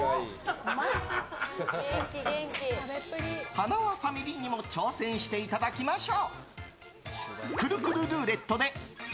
はなわファミリーにも挑戦していただきましょう。